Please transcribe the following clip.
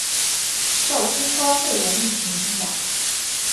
受新冠肺炎疫情影响